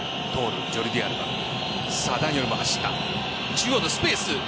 中央のスペース。